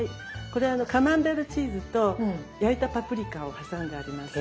これあのカマンベールチーズと焼いたパプリカを挟んであります。